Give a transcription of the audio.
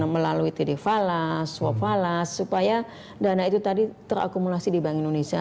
melalui tide falas swap falas supaya dana itu tadi terakumulasi di bank indonesia